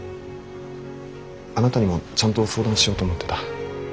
あなたにもちゃんと相談しようと思ってた。